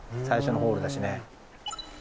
最初のホールだしね。